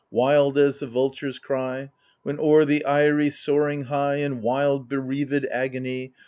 Wild as the vultures' cry ; When o'er the eyrie, soaring high. In wild bereaved agony.